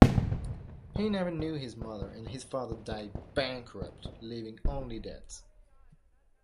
He never knew his mother, and his father died bankrupt, leaving only debts.